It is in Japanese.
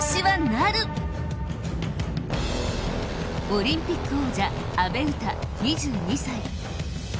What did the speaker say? オリンピック王者、阿部詩２２歳。